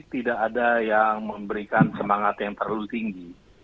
tidak ada yang memberikan semangat yang terlalu tinggi